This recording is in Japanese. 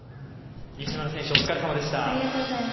西村選手お疲れ様でした。